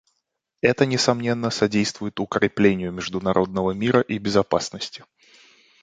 Это, несомненно, содействует укреплению международного мира и безопасности.